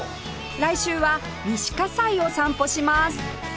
来週は西西を散歩します